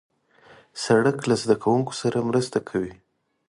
سړک له زدهکوونکو سره مرسته کوي.